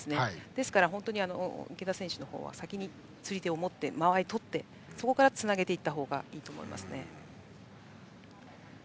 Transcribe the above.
ですから、池田選手の方は先に釣り手を持って間合いをとってそこからつなげていった方がいいと思います。